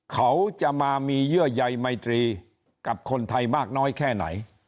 เขาจะมามีเยื่อใยไมตรีกับคนไทยมากน้อยแค่ไหน